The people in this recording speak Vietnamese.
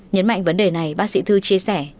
nhấn mạnh vấn đề này bác sĩ thư chia sẻ